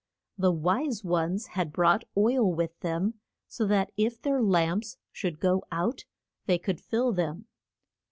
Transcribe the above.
The wise ones had brought oil with them, so that if their lamps should go out they could fill them.